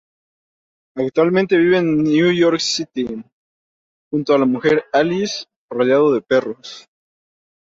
Actualmente vive e New York City, junto a la mujer Alice, rodeado de perros.